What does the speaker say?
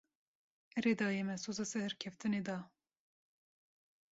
Erê dayê, me soza serkeftinê da.